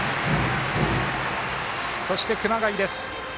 そして、熊谷です。